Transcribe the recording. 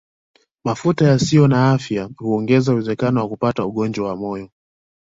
Mafuta yasiyo na afya huongeza uwezekano wa kupatwa ugonjwa wa moyo